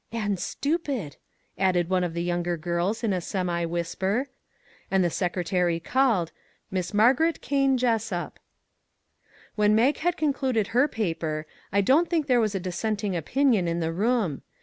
" And stupid !" added one of the younger girls in a semi whisper ; and the secretary called :" Miss Margaret Kane Jes sup." When Mag had concluded her paper I don't think there was a dissenting opinion in the room.